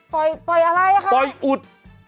ปล่อยปล่อยอะไรอ่ะคะปล่อยอุด